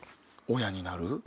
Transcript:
「親になる」？